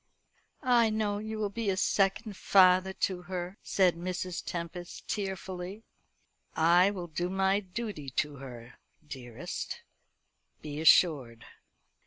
"I know you will be a second father to her," said Mrs. Tempest tearfully. "I will do my duty to her, dearest, be assured."